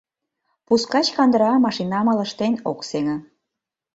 Пускач кандыра машинам ылыжтен ок сеҥе.